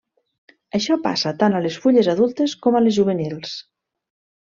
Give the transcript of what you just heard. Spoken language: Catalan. Això passa tant a les fulles adultes com a les juvenils.